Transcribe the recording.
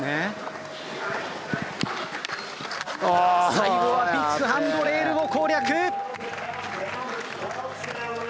最後はビッグハンドレールを攻略！